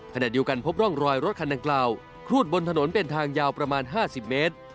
ขณะเดียวกันพบร่องรอยรถคันดังกล่าวครูดบนถนนเป็นทางยาวประมาณ๕๐เมตร